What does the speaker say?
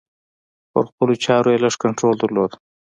پر خپلو چارو یې لږ کنترول درلود.